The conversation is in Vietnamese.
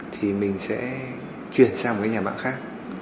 thì mình sẽ chuyển sang một cái nhà mạng khác